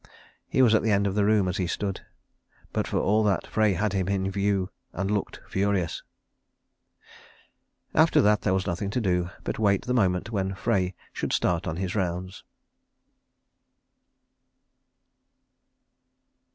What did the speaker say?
He was at the end of the room as he stood; but for all that Frey had him in view, and looked furious. After that there was nothing to do but wait the moment when Frey should start on his rounds.